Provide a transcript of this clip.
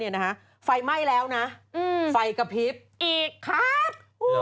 เนี่ยนะฮะไฟไหม้แล้วนะไฟกระทิบอีกครับ